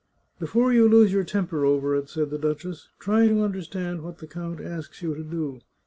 " Before you lose your temper over it," said the duchess, " try to understand what the count asks you to do.